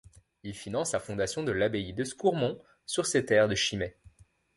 Il finance la fondation de l'abbaye de Scourmont, sur ses terres de Chimay.